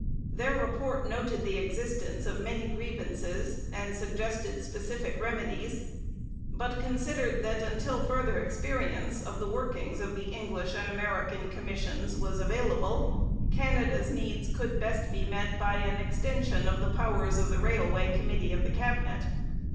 Their report noted the existence of many grievances and suggested specific remedies, but considered that until further experience of the workings of the English and American commissions was available, Canada's needs could best be met by an extension of the powers of the Railway Committee of the Cabinet.